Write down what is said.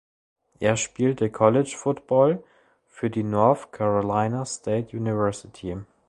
Er spielte College Football für die North Carolina State University.